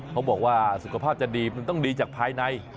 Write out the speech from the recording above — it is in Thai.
เขาบอกว่าสุขภาพจะดีมันต้องดีจากภายใน